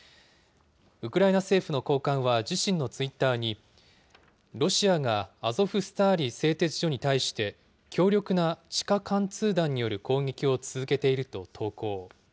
ウクライナ政府の高官は自身のツイッターに、ロシアがアゾフスターリ製鉄所に対して、強力な地下貫通弾による攻撃を続けていると投稿。